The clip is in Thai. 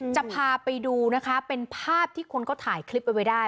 จะพาไปดูนะคะเป็นภาพที่คนก็ถ่ายคลิปเอาไว้ได้